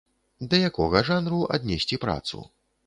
Да якога жанру аднесці працу?